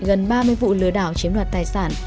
gần ba mươi vụ lừa đảo chiếm đoạt tài sản